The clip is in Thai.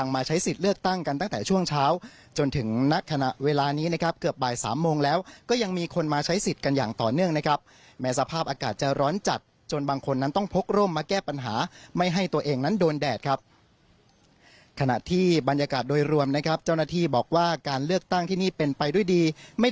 มาใช้สิทธิ์เลือกตั้งกันตั้งแต่ช่วงเช้าจนถึงณขณะเวลานี้นะครับเกือบบ่ายสามโมงแล้วก็ยังมีคนมาใช้สิทธิ์กันอย่างต่อเนื่องนะครับแม้สภาพอากาศจะร้อนจัดจนบางคนนั้นต้องพกร่มมาแก้ปัญหาไม่ให้ตัวเองนั้นโดนแดดครับขณะที่บรรยากาศโดยรวมนะครับเจ้าหน้าที่บอกว่าการเลือกตั้งที่นี่เป็นไปด้วยดีไม่